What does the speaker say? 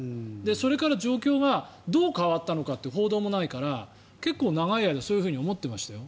それから状況がどう変わったのかという報道もないから結構長い間そういうふうに思ってましたよ。